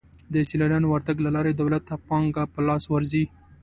د سیلانیانو ورتګ له لارې دولت ته پانګه په لاس ورځي.